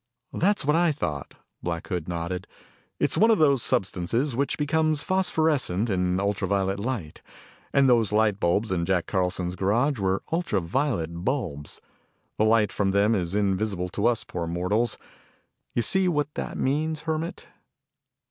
"That's what I thought," Black Hood nodded. "It's one of those substances which becomes phosphorescent in ultra violet light. And those light bulbs in Jack Carlson's garage were ultra violet bulbs. The light from them is invisible to us poor mortals. You see what that means, Hermit?"